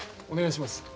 お願いします